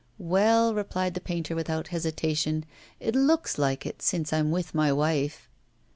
'Well,' replied the painter without hesitation, 'it looks like it since I'm with my wife.